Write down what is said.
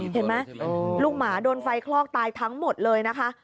เห็นไหมลูกหมาโดนไฟคลอกตายทั้งหมดเลยนะคะ